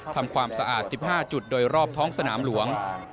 ทำความสะอาด๑๕จุดโดยรอบท้องสนามหลวง